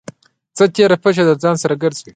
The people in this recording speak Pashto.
څه تېره پڅه له ځان سره گرځوه.